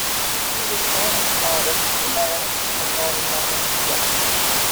He was born in Cardiff, Wales and died in London, England.